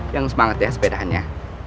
yang semangat ya sepeda annya